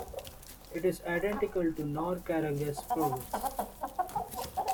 It is identical to Nor Carangas Province.